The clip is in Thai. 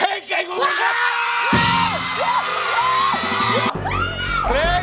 เพลงเก่งของรูแคร์